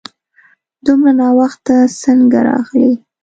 دومره ناوخته څنګه راغلې ؟